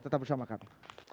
tetap bersama kami